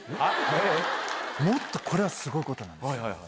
もっとこれはすごいことなんですよ。